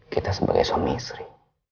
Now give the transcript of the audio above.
kita sebagai suami istri